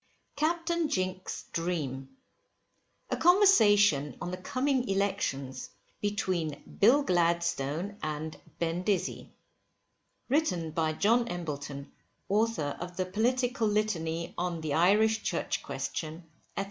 CAPTAIN JINK'S DREAM. A CONVERSATION ON THE COMING ELECTIONS BETWEEN BILL GLADSTONE & BEN DIZZY. Written by JOHN EMBLETON, Author of the "Political Litany on the Irish Church Question, &c."